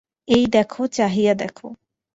এই দেখো–চাহিয়া দেখো।